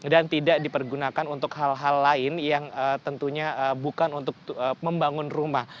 dan tidak dipergunakan untuk hal hal lain yang tentunya bukan untuk pemerintah